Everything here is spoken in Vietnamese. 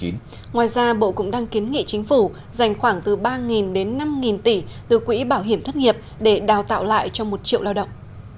ngoài ra bộ cũng đang kiến nghị chính phủ dành khoảng từ ba đến năm tỷ từ quỹ bảo hiểm thất nghiệp để đào tạo lại cho một triệu lao động